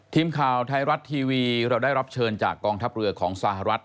ทีมข่าวไทยรัฐทีวีเราได้รับเชิญจากกองทัพเรือของสหรัฐ